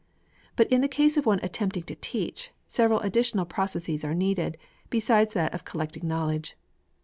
But in the case of one attempting to teach, several additional processes are needed, besides that of collecting knowledge.